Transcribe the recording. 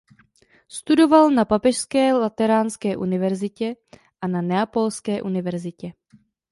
Studoval na Papežské lateránské univerzitě a na Neapolské univerzitě.